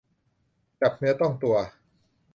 จับเนื้อต้องตัว